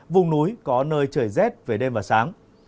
vùng núi có nơi trời rét về đêm và sáng